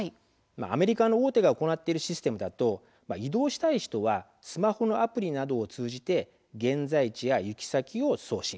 アメリカの大手が行っているシステムだと移動したい人はスマホのアプリなどを通じて現在地や行き先を送信。